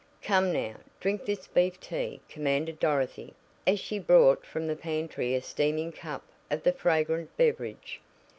"Come, now, drink this beef tea," commanded Dorothy, as she brought from the pantry a steaming cup of the fragrant beverage.